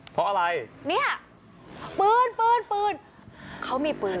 เพราะอะไรเนี่ยปืนปืนปืนเขามีปืน